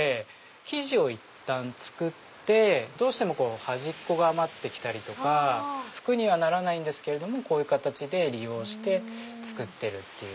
生地をいったん作ってどうしても端っこが余ってきたりとか服にはならないんですけどもこういう形で利用して作ってる。